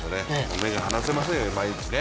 目が離せませんね、毎日ね。